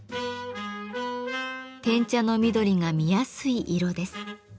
碾茶の緑が見やすい色です。